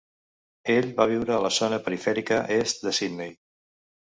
Ell va viure a la zona perifèrica est de Sydney.